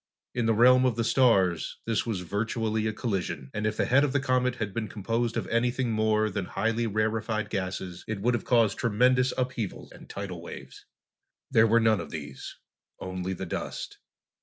In the realm of the stars, this was virtually a collision, and if the head of the comet had been composed of anything more than highly rarefied gases it would have caused tremendous upheavals and tidal waves. There were none of these. Only the dust.